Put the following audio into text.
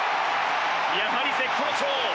やはり絶好調。